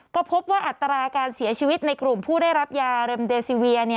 ก็พบว่าอัตราการเสียชีวิตในกลุ่มผู้ได้รับยาเร็มเดซีเวีย